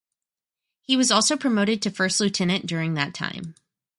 He was also promoted to first lieutenant during that time.